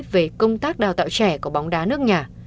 về công tác đào tạo trẻ của bóng đá nước nhà